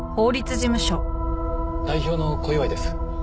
代表の小祝です。